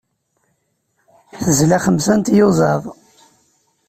Tezla xemsa n tyuẓaḍ.